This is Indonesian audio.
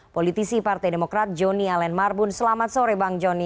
politisi partai demokrat joni allen marbun selamat sore bang joni